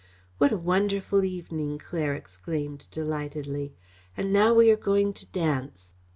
"What a wonderful evening!" Claire exclaimed delightedly. "And now we are going to dance!"